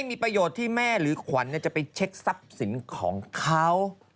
มีประโยชน์ที่แม่หรือขวัญจะไปเช็คทรัพย์สินของเขา